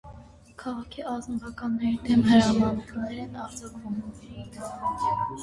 Քաղաքի ազնվականների դեմ հրամանագրեր են արձակվում։